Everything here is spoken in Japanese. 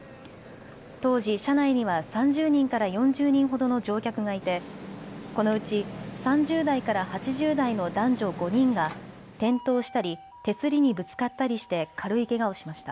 当時、車内には３０人から４０人ほどの乗客がいてこのうち３０代から８０代の男女５人が転倒したり手すりにぶつかったりして軽いけがをしました。